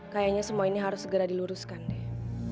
kayaknya semua ini harus segera diluruskan deh